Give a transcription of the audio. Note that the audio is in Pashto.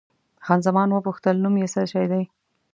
خان زمان وپوښتل، نوم یې څه شی دی؟